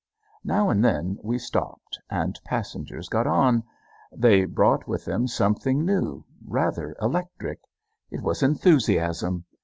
Now and then we stopped, and passengers got on. They brought with them something new, rather electric. It was enthusiasm.